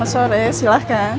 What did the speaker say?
selamat sore silahkan